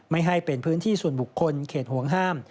ไม่ให้เป็นพื้นที่ส่วนบุคคลเขตห่วงห้าม